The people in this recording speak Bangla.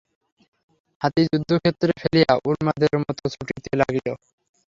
হাতি যুদ্ধক্ষেত্র ফেলিয়া উন্মাদের মতো ছুটিতে লাগিল।